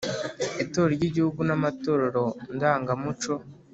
Itorero ry’Igihugu n’amatorero ndangamuco